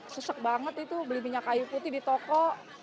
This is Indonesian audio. sesek banget itu beli minyak kayu putih di toko